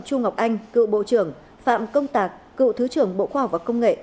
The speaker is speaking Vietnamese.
chu ngọc anh cựu bộ trưởng phạm công tạc cựu thứ trưởng bộ khoa học và công nghệ